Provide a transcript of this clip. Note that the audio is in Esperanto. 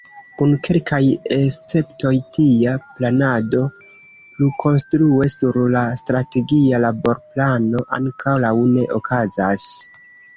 Kun kelkaj esceptoj, tia planado plukonstrue sur la Strategia Laborplano ankoraŭ ne okazis.